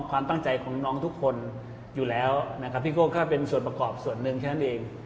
ความตั้งใจของน้องทุกคนอยู่แล้วนะครับพี่โก้ก็เป็นส่วนประกอบส่วนหนึ่งแค่นั้นเอง